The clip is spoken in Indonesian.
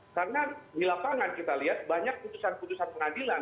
karena di lapangan kita lihat banyak keputusan keputusan pengadilan